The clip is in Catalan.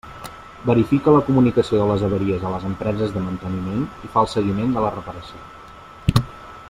Verifica la comunicació de les avaries a les empreses de manteniment i fa el seguiment de la reparació.